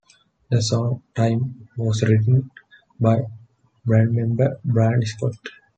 The song "Time" was written by bandmember Bryan Scott.